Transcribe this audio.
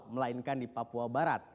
melainkan di papua barat